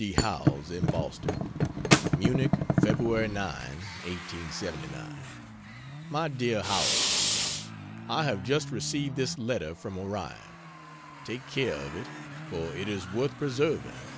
D. Howells, in Boston: MUNICH, Feb. 9. (1879) MY DEAR HOWELLS, I have just received this letter from Orion take care of it, for it is worth preserving.